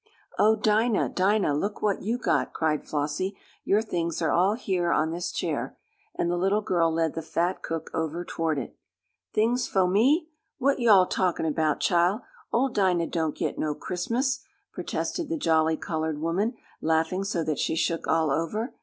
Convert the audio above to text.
"Oh, Dinah! Dinah! Look what you got!" cried Flossie. "Your things are all here on this chair," and the little girl led the fat cook over toward it. "Things fo' me? What yo' all talkin' 'bout chile? Ole Dinah don't git no Christmas!" protested the jolly colored woman, laughing so that she shook all over.